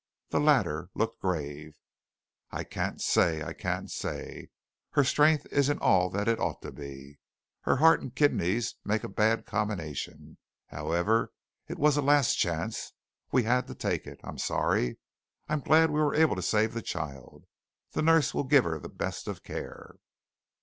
The latter looked grave. "I can't say. I can't say. Her strength isn't all that it ought to be. Her heart and kidneys make a bad combination. However, it was a last chance. We had to take it. I'm sorry. I'm glad we were able to save the child. The nurse will give her the best of care."